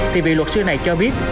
thì bị luật sư này cho biết